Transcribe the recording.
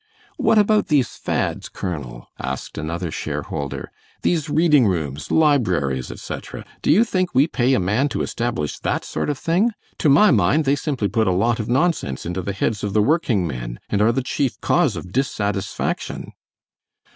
"What about these fads, Colonel?" asked another share holder; "these reading rooms, libraries, etc? Do you think we pay a man to establish that sort of thing? To my mind they simply put a lot of nonsense into the heads of the working men and are the chief cause of dissatisfaction."